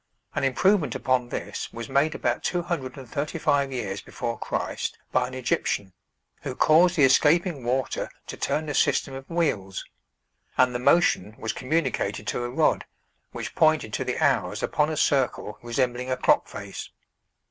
An improvement upon this was made about two hundred and thirty five years before Christ by an Egyptian, who caused the escaping water to turn a system of wheels; and the motion was communicated to a rod which pointed to the hours upon a circle resembling a clock face.